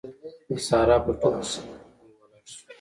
د سارا په ټوله سيمه کې بوی ولاړ شو.